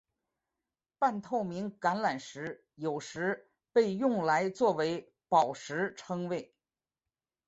半透明橄榄石有时被用来作为宝石称为。